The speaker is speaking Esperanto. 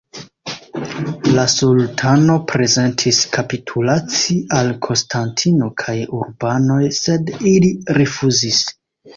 La sultano prezentis kapitulaci al Konstantino kaj urbanoj, sed ili rifuzis.